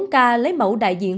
một mươi bốn ca lấy mẫu đại diện